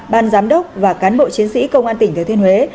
ban giám đốc và cán bộ chiến sĩ công an tỉnh thừa thiên huế